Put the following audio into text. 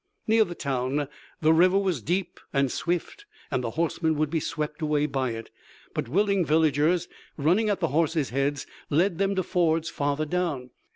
Near the town the river was deep and swift and the horsemen would be swept away by it, but willing villagers running at the horses' heads led them to fords farther down.